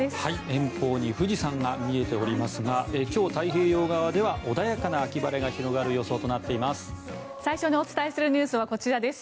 遠方に富士山が見えておりますが今日、太平洋側では穏やかな秋晴れが広がる予想となっています。